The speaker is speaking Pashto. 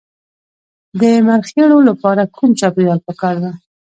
د مرخیړیو لپاره کوم چاپیریال پکار دی؟